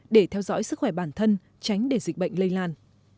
để theo dõi sức khỏe bản thân tránh để dịch bệnh lây lan